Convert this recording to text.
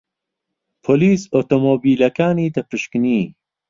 پۆلیس ئۆتۆمۆبیلەکانی دەپشکنی.